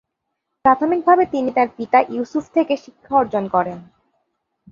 প্রাথমিকভাবে তিনি তার পিতা ইউসুফ থেকে শিক্ষা অর্জন করেন।